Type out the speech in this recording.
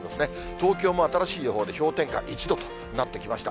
東京も新しい予報で氷点下１度となってきました。